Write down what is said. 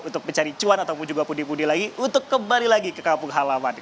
untuk mencari cuan ataupun juga pundi pundi lagi untuk kembali lagi ke kampung halaman